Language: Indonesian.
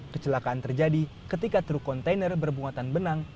kecelakaan terjadi ketika truk kontainer bermuatan benang